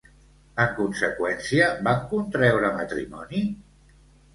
En conseqüència, van contreure matrimoni?